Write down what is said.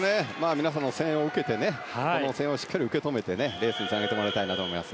皆さんの声援をしっかり受け止めてレースにつなげてもらいたいと思います。